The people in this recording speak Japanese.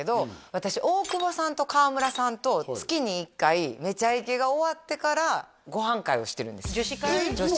私大久保さんと川村さんと月に１回「めちゃイケ」が終わってからご飯会をしてるんですよえっ